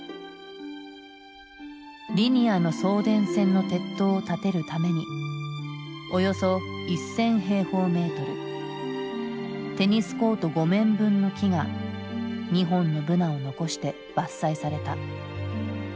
リニアの送電線の鉄塔を建てるためにおよそ１，０００平方メートルテニスコート５面分の木が２本のブナを残して伐採された。